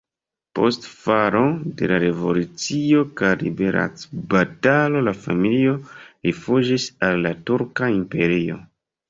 Post falo de la revolucio kaj liberecbatalo la familio rifuĝis al la Turka Imperio.